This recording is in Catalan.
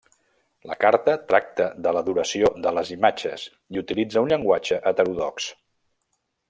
La carta tracta de l'adoració de les imatges i utilitza un llenguatge heterodox.